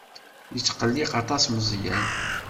Yetqelliq aṭas Meẓyan.